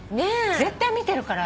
絶対見てるから。